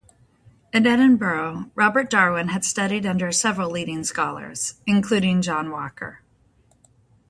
In Edinburgh Robert Darwin had studied under several leading scholars, including John Walker.